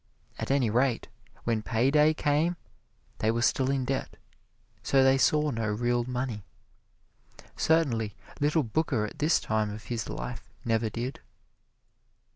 At any rate, when pay day came they were still in debt, so they saw no real money certainly little Booker at this time of his life never did.